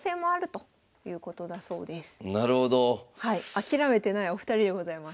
諦めてないお二人でございます。